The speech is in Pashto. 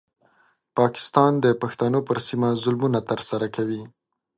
پاکستان د پښتنو پر سیمه ظلمونه ترسره کوي.